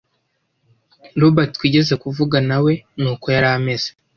Robert twigeze kuvuga, na we ni uko yari ameze.